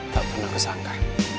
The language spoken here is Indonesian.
tak pernah kesangka